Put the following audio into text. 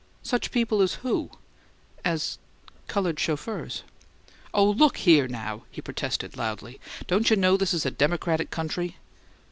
"Such people as who?" "As coloured chauffeurs." "Oh, look here, now!" he protested, loudly. "Don't you know this is a democratic country?"